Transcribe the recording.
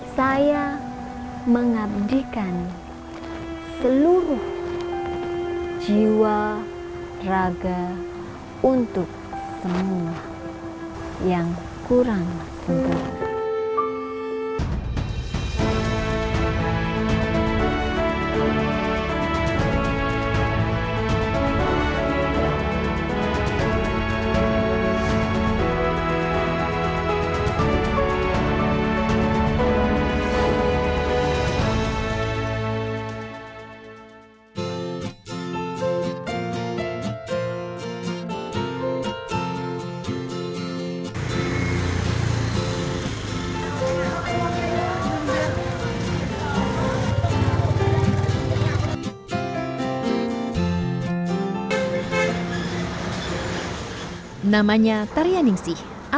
saya mengabdikan seluruh jiwa raga untuk semua yang kurang sempurna